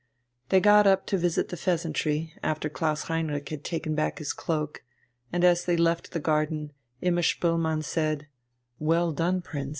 They got up to visit the "Pheasantry," after Klaus Heinrich had taken back his cloak; and as they left the garden, Imma Spoelmann said: "Well done, Prince.